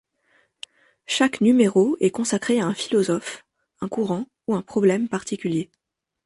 Chaque numéro est consacré à un philosophe, un courant ou un problème particuliers.